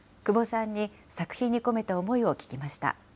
窪さんに作品に込めた思いを聞きました。